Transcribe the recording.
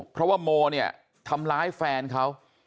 เพราะว่าโมเนี่ยทำร้ายแฟนเขา